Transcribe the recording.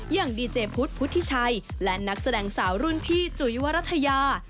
อย่างดีเจพุทธพุทธิชัยและนักแสดงสาวรุ่นพี่จุ๋ยวรัฐยา